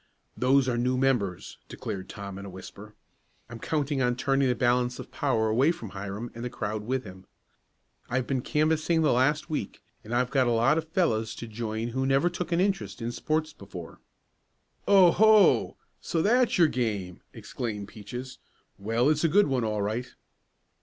"Those are new members," declared Tom in a whisper. "I'm counting on turning the balance of power away from Hiram and the crowd with him. I've been canvassing the last week, and I've got a lot of fellows to join who never took an interest in sports before." "Oh, ho! So that's your game!" exclaimed Peaches. "Well, it's a good one all right."